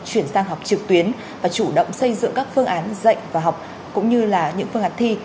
chuyển sang học trực tuyến và chủ động xây dựng các phương án dạy và học cũng như là những phương án thi